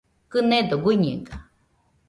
Kɨnedo guiñega